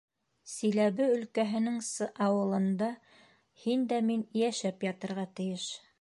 Силәбе өлкәһенең С. ауылында һин дә мин йәшәп ятырға тейеш.